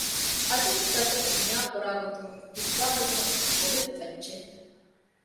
އަދަބުސަދަބު ނިޔާކުރާގޮތުން އިއްވާލެވުނު ގޮވެލިފައްޗެއް